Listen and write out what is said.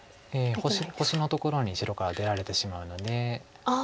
星のところに白から出られてしまうので。